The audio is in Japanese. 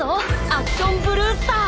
アクションブルースター！